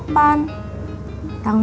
ya udah mas